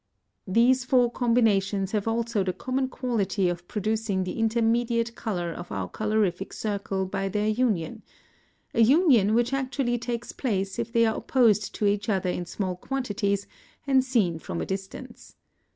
These four combinations have also the common quality of producing the intermediate colour of our colorific circle by their union, a union which actually takes place if they are opposed to each other in small quantities and seen from a distance.